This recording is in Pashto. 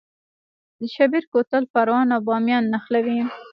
د شیبر کوتل پروان او بامیان نښلوي